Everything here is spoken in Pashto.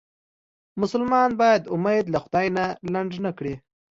مسلمان باید امید له خدای نه لنډ نه کړي.